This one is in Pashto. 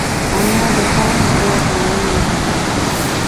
انا د پاک زړه خاونده ده